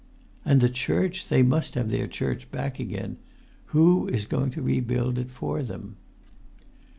"And the church! They must have their church back again. Who is going to rebuild it for them?"